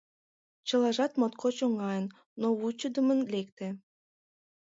Чылажат моткоч оҥайын, но вучыдымын лекте.